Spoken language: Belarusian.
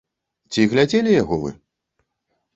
Ці глядзелі яго вы?